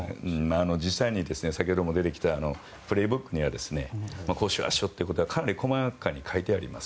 実際に先ほども出てきた「プレーブック」にはこうしようああしようってことがかなり細やかに書いてあります。